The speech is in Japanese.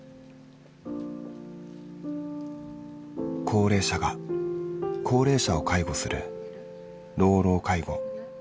高齢者が高齢者を介護する老老介護。